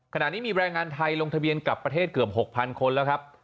ขณะนี้มีแรงงานไทยลงทะเบียนกลับประเทศเกือบ๖๐๐คนแล้วครับ